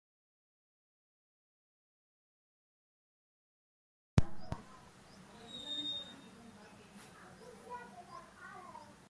স্বর্ণের আমদানি অবৈধ ছিল।